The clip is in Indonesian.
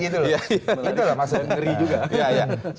itu lah masalah yang ngeri juga